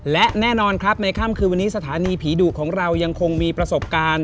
และแน่นอนครับในค่ำคืนวันนี้สถานีผีดุของเรายังคงมีประสบการณ์